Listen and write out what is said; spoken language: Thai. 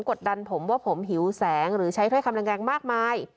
กดดันผมว่าผมหิวแสงหรือใช้ถ้อยคำแรงมากมาย